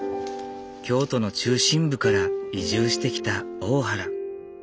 京都の中心部から移住してきた大原。